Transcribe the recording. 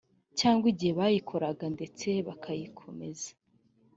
cyangwa igihe bayikoraga ndetse bakarikomeza